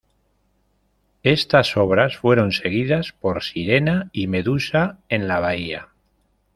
Estas obras fueron seguidas por "Sirena" y "Medusa en la Bahía".